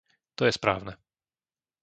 To je správne.